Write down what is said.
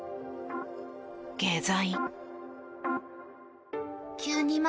下剤。